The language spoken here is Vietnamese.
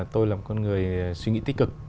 tôi là một con người suy nghĩ tích cực